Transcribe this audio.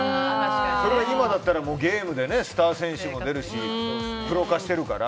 それが今だったらゲームでスター選手も出るしプロ化してるから。